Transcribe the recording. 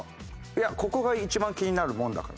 いやここが一番気になるもんだから。